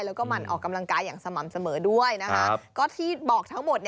แล้วก็มันออกกำลังกายอย่างสม่ำแด่ก็บอกทั้งหมด